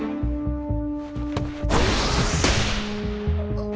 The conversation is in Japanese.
あっ。